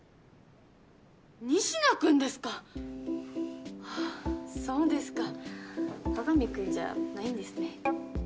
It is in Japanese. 仁科君ですかはあそうですか各務君じゃないんですね